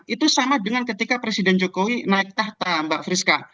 itu sama dengan ketika presiden jokowi naik tahta mbak friska